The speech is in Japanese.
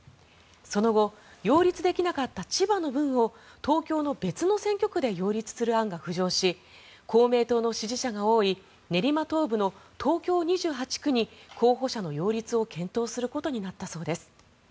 その後擁立できなかった千葉の分を東京の別の選挙区で擁立する案が浮上し公明党の支持者が多い練馬東部の東京２８区に候補者の擁立を検討することになったそうです。